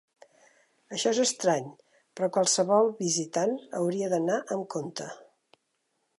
Això és estrany, però qualsevol visitant hauria d'anar amb compte.